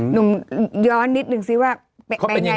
หนุ่มย้อนนิดนึงสิว่า